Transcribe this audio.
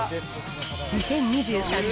２０２３年